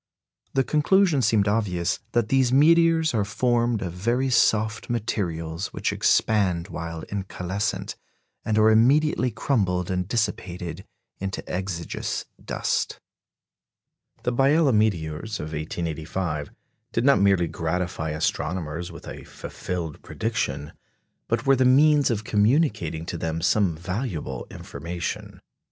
The conclusion seemed obvious "that these meteors are formed of very soft materials, which expand while incalescent, and are immediately crumbled and dissipated into exiguous dust." The Biela meteors of 1885 did not merely gratify astronomers with a fulfilled prediction, but were the means of communicating to them some valuable information.